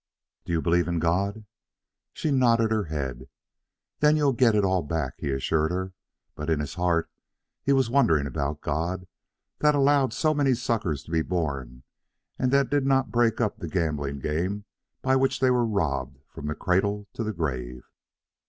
"Do you believe in God?" She nodded her head. "Then you get it all back," he assured her; but in his heart he was wondering about God, that allowed so many suckers to be born and that did not break up the gambling game by which they were robbed from the cradle to the grave.